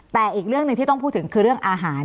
แต่อีกเรื่องหนึ่งที่ต้องพูดถึงคือเรื่องอาหาร